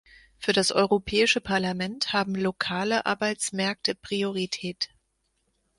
Für das Europäische Parlament haben lokale Arbeitsmärkte Priorität.